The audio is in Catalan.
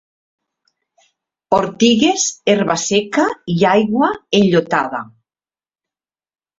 Ortigues, herba seca i aigua enllotada